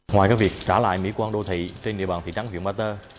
ngoài việc trả lại mỹ quan đô thị trên địa bàn thị trấn huyện ba tơ